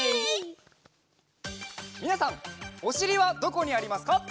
みなさんおしりはどこにありますか？